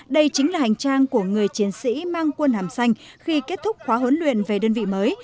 đây chính là hành trang của người chiến sĩ mang quân hàm xanh khi kết thúc khóa huấn luyện về đơn vị mới